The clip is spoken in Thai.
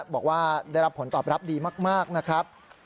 บอกว่าได้รับผลตอบรับดีมากนะครับ